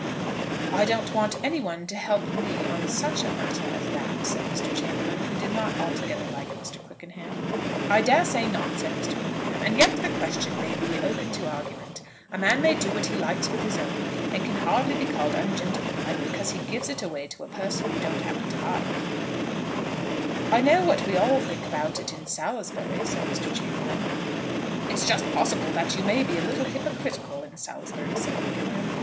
"I don't want anyone to help me on such a matter as that," said Mr. Chamberlaine, who did not altogether like Mr. Quickenham. "I dare say not," said Mr. Quickenham; "and yet the question may be open to argument. A man may do what he likes with his own, and can hardly be called ungentlemanlike because he gives it away to a person you don't happen to like." [Illustration: "I dare say not," said Mr. Quickenham.] "I know what we all think about it in Salisbury," said Mr. Chamberlaine. "It's just possible that you may be a little hypercritical in Salisbury," said Quickenham.